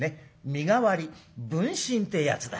身代わり分身ってやつだ。